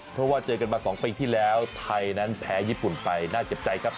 เพราะว่าเจอกันมา๒ปีที่แล้วไทยนั้นแพ้ญี่ปุ่นไปน่าเจ็บใจครับ